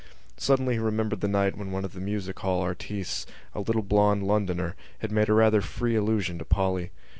Suddenly he remembered the night when one of the music hall artistes, a little blond Londoner, had made a rather free allusion to Polly.